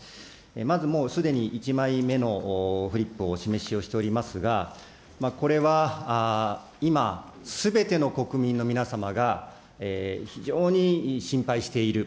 まずすでに１枚目のフリップをお示しをしておりますが、これは今、すべての国民の皆様が、非常に心配している。